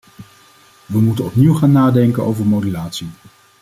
We moeten opnieuw gaan nadenken over modulatie.